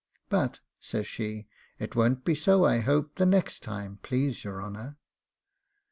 But,' says she, 'it won't be so, I hope, the next time, please your honour.